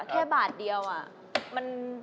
แค่บาทเดียวอะ